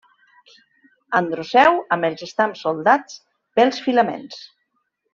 Androceu amb els estams soldats pels filaments.